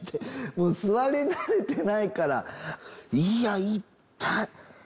もう座り慣れてないからいや痛い！